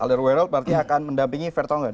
edouard berarti akan mendampingi vertonghen